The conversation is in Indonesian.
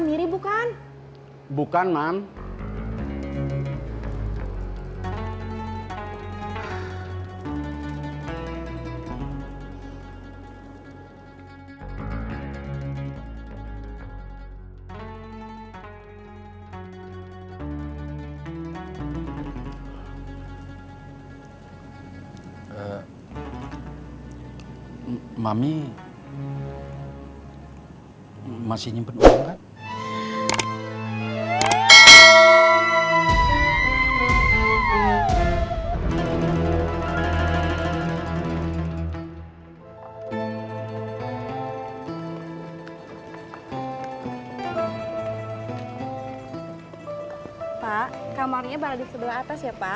terima kasih selamat beristirahat